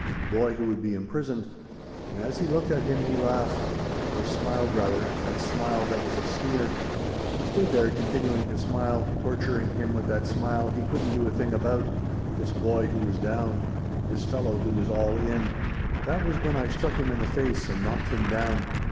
Boy who would be imprisoned. And as he looked at him he laughed; or smiled rather, that smile that was a sneer. "He stood there continuing to smile torturing him with that smile he couldn't do a thing about this boy who was down; this fellow who was all in. That was when I struck him in the face and knocked him down.